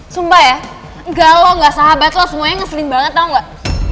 sumpah ya gak lo gak sahabat lo semuanya ngeselin banget tau gak